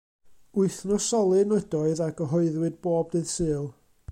Wythnosolyn ydoedd a gyhoeddwyd bob dydd Sul.